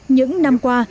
những năm qua